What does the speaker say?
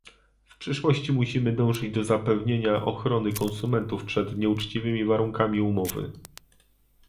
W przyszłości musimy dążyć do zapewniania ochrony konsumentów przed nieuczciwymi warunkami umowy